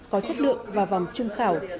có chất lượng vào vòng trung khảo